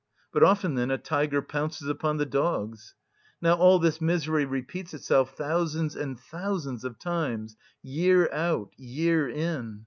But often then a tiger pounces upon the dogs. Now all this misery repeats itself thousands and thousands of times, year out, year in.